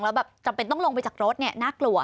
แล้วจำเป็นต้องลงไปจากรถน่ากลัว